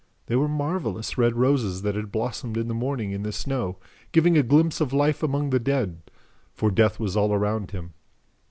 They were marvelous red roses that had blossomed in the morning, in the snow, giving a glimpse of life among the dead, for death was all around him.